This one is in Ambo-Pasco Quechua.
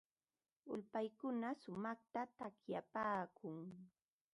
Ulpaykuna shumaqta takipaakun.